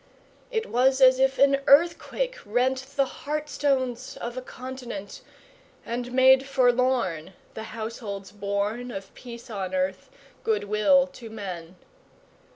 It was as if an earthquake rent The hearth stones of a continent, And made forlorn The households born Of peace on earth, good will to men!